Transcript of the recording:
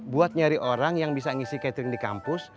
buat nyari orang yang bisa ngisi catering di kampus